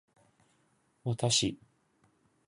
私